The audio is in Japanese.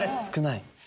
少ない。